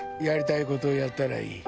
やりたいことやったらいい。